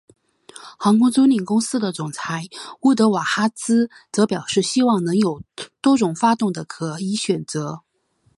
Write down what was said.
航空租赁公司的总裁乌德瓦哈兹则表示希望能有多种发动的可以选择。